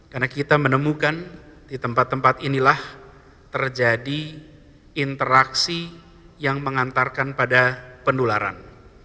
karena kita menemukan di tempat tempat inilah terjadi interaksi yang mengantarkan pada pendularan